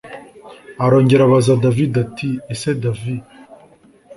arongera abaza david ati ese dav